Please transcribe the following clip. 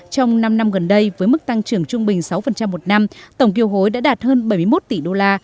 trong năm năm gần đây với mức tăng trưởng trung bình sáu một năm tổng kiều hối đã đạt hơn bảy mươi một tỷ đô la